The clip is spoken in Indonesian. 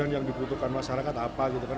yang dibutuhkan masyarakat apa gitu kan